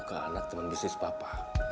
ke anak teman bisnis papa